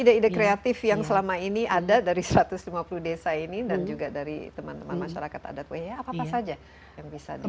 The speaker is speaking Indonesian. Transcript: ide ide kreatif yang selama ini ada dari satu ratus lima puluh desa ini dan juga dari teman teman masyarakat adat wehia apa apa saja yang bisa di